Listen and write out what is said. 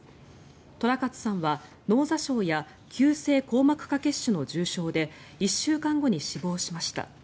寅勝さんは脳挫傷や急性硬膜下血腫の重傷で１週間後に死亡しました。